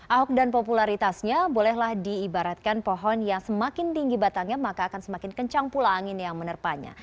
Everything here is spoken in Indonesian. ahok dan popularitasnya bolehlah diibaratkan pohon yang semakin tinggi batangnya maka akan semakin kencang pula angin yang menerpanya